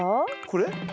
これ？